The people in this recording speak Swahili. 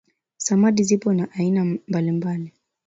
samadi zipo za aina mbalimbali